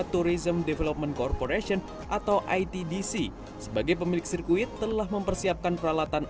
tourism development corporation atau itdc sebagai pemilik sirkuit telah mempersiapkan peralatan